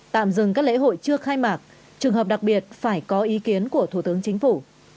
tạm dừng các lễ hội chưa khai mạc trường hợp đặc biệt phải có ý kiến của thủ tướng chính phủ